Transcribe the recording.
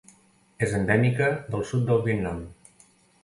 És endèmica del sud del Vietnam.